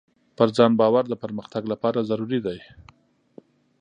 پر ځان باور د پرمختګ لپاره ضروري دی.